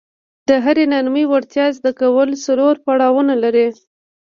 د هرې نرمې وړتیا زده کول څلور پړاونه لري.